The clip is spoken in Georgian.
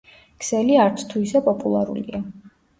ქსელი არცთუ ისე პოპულარულია.